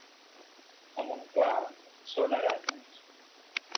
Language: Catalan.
A Montclar són aranyes.